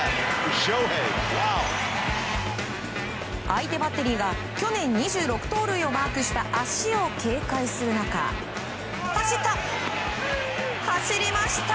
相手バッテリーが去年２６盗塁をマークした足を警戒する中、走った！